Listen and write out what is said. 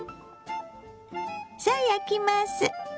さあ焼きます。